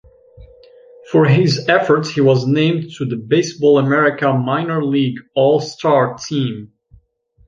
For his efforts he was named to the "Baseball America" minor league all-star team.